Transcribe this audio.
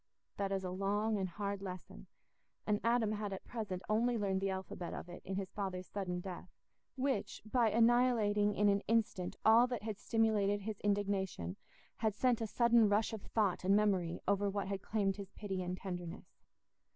That is a long and hard lesson, and Adam had at present only learned the alphabet of it in his father's sudden death, which, by annihilating in an instant all that had stimulated his indignation, had sent a sudden rush of thought and memory over what had claimed his pity and tenderness.